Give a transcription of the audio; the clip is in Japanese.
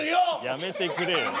やめてくれよ。